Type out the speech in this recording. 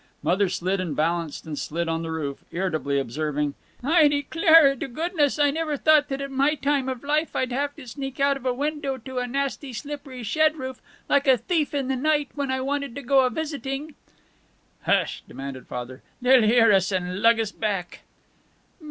Mother slid and balanced and slid on the roof, irritably observing, "I declare to goodness I never thought that at my time of life I'd have to sneak out of a window on to a nasty slippery shed roof, like a thief in the night, when I wanted to go a visiting." "H'sh!" demanded Father. "They'll hear us and lug us back."